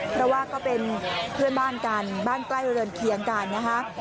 เพราะว่าก็เป็นเพื่อนบ้านกันบ้านใกล้เรือนเคียงกันนะคะ